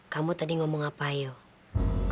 kamu tadi ngomong apa yuk